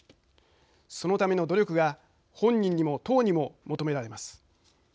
そのための努力が本人にも党にも求められます。